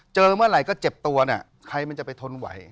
เจอเมื่อไหร่ก็เจ็บตัวเนี่ยใครมันจะไปทนไหว